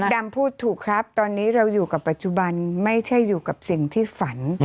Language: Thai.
ดำพูดถูกครับตอนนี้เราอยู่กับปัจจุบันไม่ใช่อยู่กับสิ่งที่ฝัน